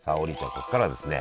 ここからはですね